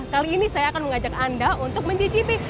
kali ini saya akan mengajak anda untuk mencicipi